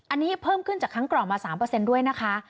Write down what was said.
อันนี้เพิ่มขึ้นจากครั้งก่อนมา๓ด้วยนะคะ